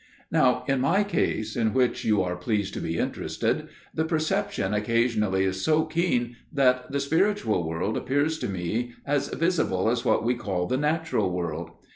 "Now in my case, in which you are pleased to be interested, the perception occasionally is so keen that the spiritual world appears to me as visible as what we call the natural world.